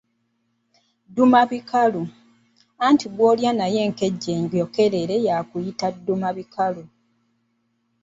Ddumabikalu, anti gw’olya naye enkejje enjokerere yakuyita ddumabikalu.